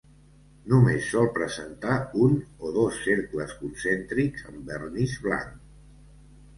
Només sol presentar un, o dos cercles concèntrics en vernís blanc.